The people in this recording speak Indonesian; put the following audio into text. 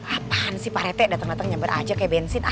apaan sih parete dateng dateng nyambar aja kayak bensin ah